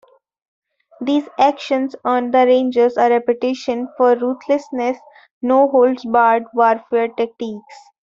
These actions earned the Rangers a reputation for ruthlessness no holds barred warfare tactics.